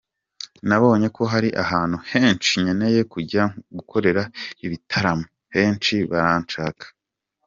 Nabonye ko hari ahantu henshi nkeneye kujya gukorera ibitaramo, henshi baranshaka.